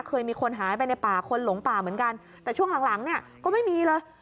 เคยมีคนหายไปในป่าคนหลงป่าเหมือนกันแต่ช่วงหลังหลังเนี่ยก็ไม่มีเลย